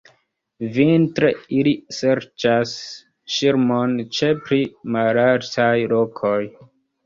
Vintre ili serĉas ŝirmon ĉe pli malaltaj lokoj.